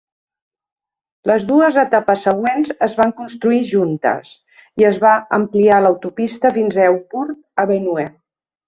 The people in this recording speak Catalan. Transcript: Les dues etapes següents es van construir juntes, i es va ampliar l'autopista fins a Hepburn Avenue.